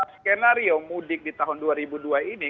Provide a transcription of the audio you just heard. skenario mudik di tahun dua ribu dua ini